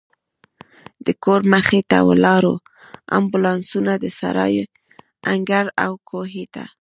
د کور مخې ته ولاړو امبولانسونو، د سرای انګړ او کوهي ته.